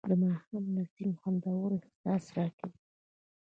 د ماښام نسیم خوندور احساس راکوي